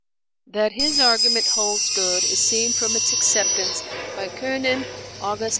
That his argument holds good is seen from its acceptance by Kuenen ('Hist.